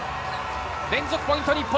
連続ポイント、日本。